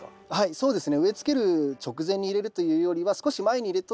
そうですね。